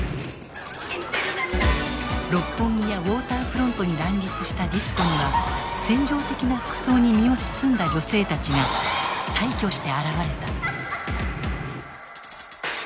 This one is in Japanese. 六本木やウォーターフロントに乱立したディスコには扇情的な服装に身を包んだ女性たちが大挙して現れた。